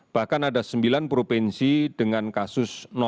bahkan ada sembilan provinsi dengan kasus